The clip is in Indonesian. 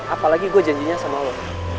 apalagi gue janjinya sama allah